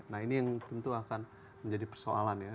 nah ini yang tentu akan menjadi persoalan ya